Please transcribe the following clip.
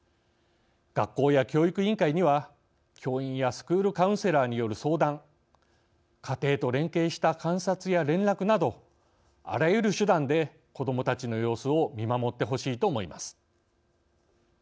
学校や教育委員会には、教員やスクールカウンセラーによる相談家庭と連携した観察や連絡などあらゆる手段で子どもたちの様子を見守ってほしいと思います。